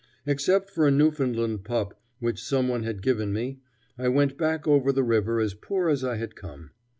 Except for a Newfoundland pup which some one had given me, I went back over the river as poor as I had come.